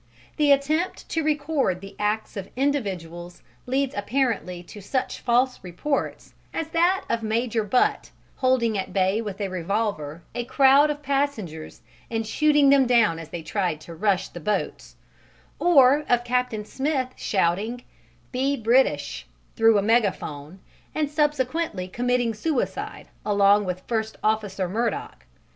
The attempt to record the acts of individuals leads apparently to such false reports as that of Major Butt holding at bay with a revolver a crowd of passengers and shooting them down as they tried to rush the boats, or of Captain Smith shouting, "Be British," through a megaphone, and subsequently committing suicide along with First Officer Murdock.